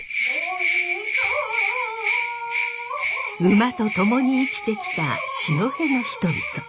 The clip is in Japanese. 馬とともに生きてきた四戸の人々。